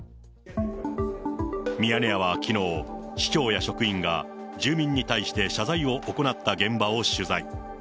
ミヤネ屋はきのう、市長や職員が住民に対して謝罪を行った現場を取材。